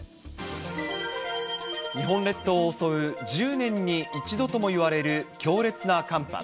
日本列島を襲う１０年に１度ともいわれる強烈な寒波。